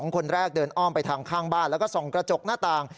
คนแรกเดินอ้อมไปทางข้างบ้านแล้วก็ส่องกระจกหน้าต่าง